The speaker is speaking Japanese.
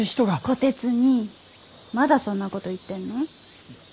虎鉄にいまだそんなこと言ってんの？